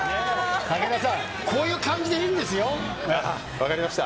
武田さん、こういう感じでい分かりました。